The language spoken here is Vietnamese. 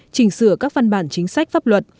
chỉnh sửa các văn bản chính sách pháp luật